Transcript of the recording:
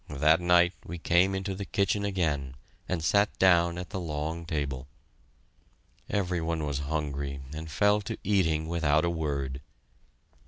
That night we came into the kitchen again and sat down at the long table. Every one was hungry and fell to eating without a word.